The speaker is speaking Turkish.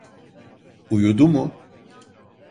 Uyudu mu?